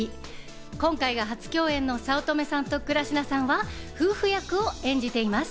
今回が初共演の早乙女さんと倉科さんは夫婦役を演じています。